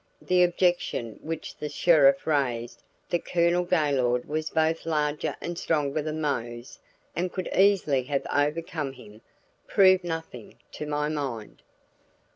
The objection which the sheriff raised that Colonel Gaylord was both larger and stronger than Mose and could easily have overcome him, proved nothing to my mind.